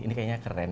ini kayaknya keren